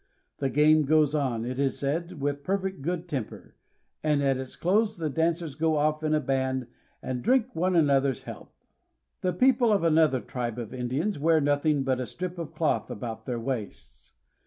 The game goes on, it is said, with perfect good temper, and at its close the dancers go off in a band and drink one another's health. The people of another tribe of Indians wear nothing but a strip of cloth about their waists.